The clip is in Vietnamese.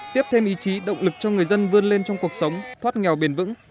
tiếp thêm ý chí động lực cho người dân vươn lên trong cuộc sống thoát nghèo bền vững